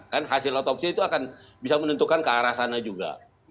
kan hasil otopsi itu akan bisa menentukan ke arah sana juga